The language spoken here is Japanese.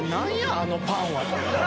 あのパンは」